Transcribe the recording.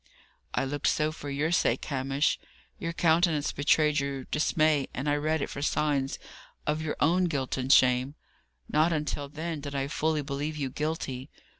"I looked so for your sake, Hamish. Your countenance betrayed your dismay, and I read it for signs of your own guilt and shame. Not until then did I fully believe you guilty.